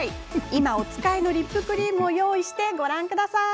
今、お使いのリップクリームを用意してご覧ください。